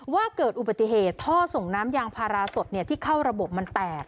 ว่าเกิดอุบัติเหตุท่อส่งน้ำยางพาราสดที่เข้าระบบมันแตก